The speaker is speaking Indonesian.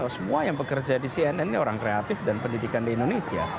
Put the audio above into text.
semua yang bekerja di cnn ini orang kreatif dan pendidikan di indonesia